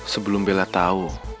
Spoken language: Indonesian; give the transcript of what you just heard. sebelum bella tahu